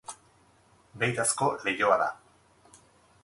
Beirazko lehioa da.